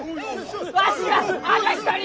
わしはあの人に！